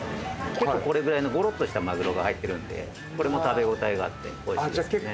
結構これぐらいのごろっとしたマグロが入ってるんでこれも食べ応えがあっておいしいですね。